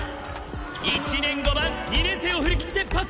１年５番２年生を振り切ってパス。